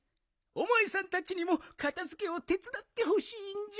おまえさんたちにもかたづけをてつだってほしいんじゃ。